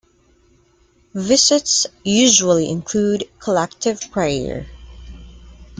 Visits usually include collective prayer.